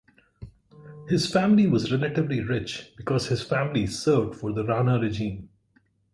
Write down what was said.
His family was relatively rich because his family served for the Rana regime.